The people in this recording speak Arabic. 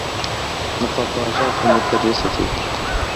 لقد ضاجعت مدرّستي.